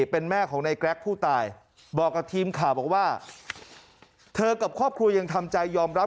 เป็นแม่ของในแกรกผู้ตายบอกกับทีมข่าวบอกว่าเธอกับครอบครัวยังทำใจยอมรับ